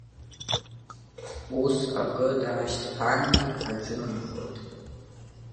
Ус, акы даашьҭԥаангьы аҿынанахоит.